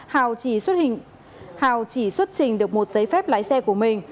hào chỉ xuất trình được một giấy phép lái xe của mình